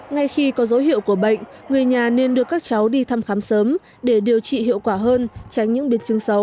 ngay khi có dấu hiệu của bệnh người nhà nên đưa các cháu đi thăm khám sớm để điều trị hiệu quả hơn tránh những biến chứng xấu